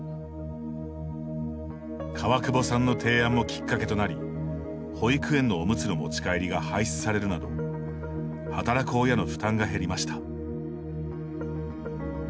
川久保さんの提案もきっかけとなり保育園のおむつの持ち帰りが廃止されるなど働く親の負担が減りました。